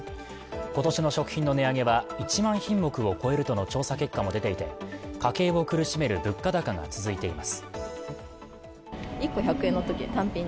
今年の食品の値上げは１万品目を超えるとの調査結果も出ていて家計を苦しめる物価高が続いています。